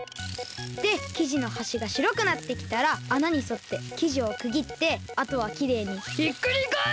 できじのはしがしろくなってきたらあなにそってきじをくぎってあとはきれいにひっくりかえす！